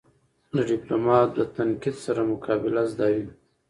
د ډيپلومات د تنقید سره مقابله زده وي.